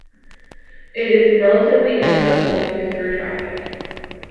It is relatively inaccessible to through traffic.